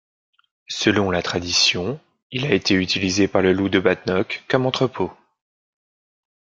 Selon la tradition, il a été utilisé par le Loup de Badenoch comme entrepôt.